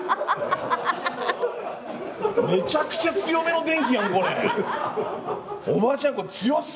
めちゃくちゃ強めの電気やんこれ！